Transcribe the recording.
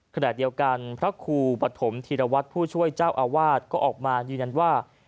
ขณะเดียวกันพระครูปฐมธีรวัตรผู้ช่วยเจ้าอาวาสก็ออกมายืนยันว่า